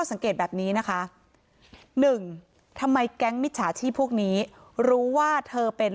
สังเกตแบบนี้นะคะหนึ่งทำไมแก๊งมิจฉาชีพพวกนี้รู้ว่าเธอเป็น